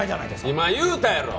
今言うたやろ？